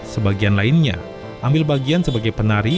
sebagian lainnya ambil bagian sebagai penari